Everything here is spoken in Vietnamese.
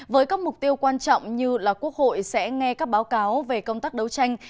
với các mục tiêu quan trọng như là quốc hội sẽ nghe các báo cáo về công tác đấu tranh